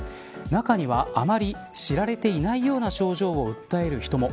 中には、あまり知られていないような症状を訴える人も。